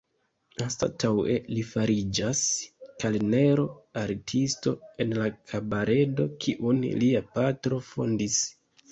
Anstataŭe li fariĝas kelnero-artisto en la kabaredo, kiun lia patro fondis.